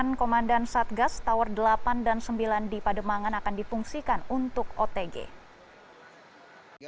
delapan komandan satgas tower delapan dan sembilan di pademangan akan dipungsikan untuk otg